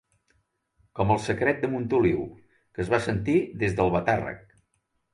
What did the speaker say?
Com el secret de Montoliu, que es va sentir des d'Albatàrrec.